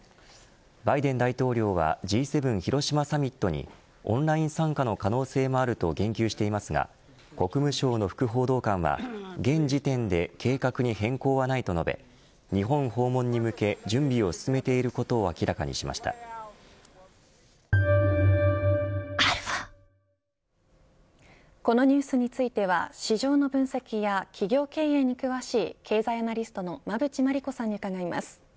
バイデン大統領はＧ７広島サミットにオンライン参加の可能性もあると言及していますが国務省の副報道官は現時点で計画に変更はないと述べ日本訪問に向け準備を進めていることをこのニュースについては市場の分析や企業経営に詳しい経済アナリストの馬渕磨理子さんに伺います。